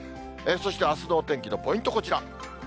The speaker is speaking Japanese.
そしてあすのお天気のポイント、こちら。